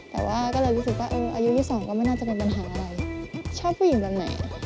แตะก็เลยรู้สึกไม่เป็นอะไรผิดขึ้นให้พี่เต้น